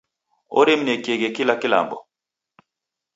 Oremnekieghe kila kilambo